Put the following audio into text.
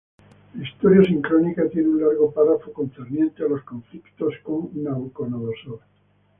La "Historia sincrónica" tiene un largo párrafo, concerniente a los conflictos con Nabucodonosor.